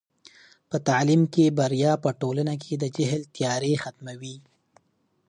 په تعلیم کې بریا په ټولنه کې د جهل تیارې ختموي.